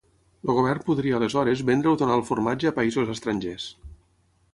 El govern podria aleshores vendre o donar el formatge a països estrangers.